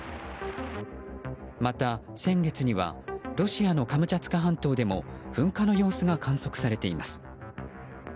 また、先月にはロシアのカムチャツカ半島でも噴火の様子が観測されています。